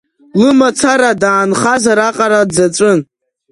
Лымацара даанхазар аҟара, дзаҵәын.